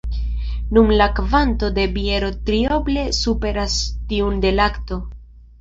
Nun la kvanto de biero trioble superas tiun de lakto.